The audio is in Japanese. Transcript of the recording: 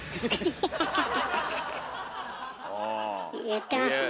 言ってますね。